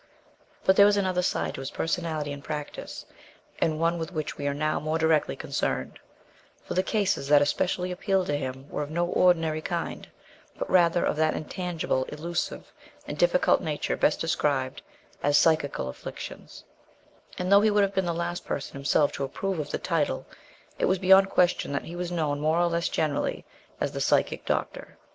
But there was another side to his personality and practice, and one with which we are now more directly concerned; for the cases that especially appealed to him were of no ordinary kind, but rather of that intangible, elusive, and difficult nature best described as psychical afflictions; and, though he would have been the last person himself to approve of the title, it was beyond question that he was known more or less generally as the "Psychic Doctor."